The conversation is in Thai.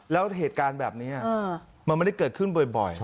แล้วเหตุการณ์แบบนี้มันไม่ได้เกิดขึ้นบ่อย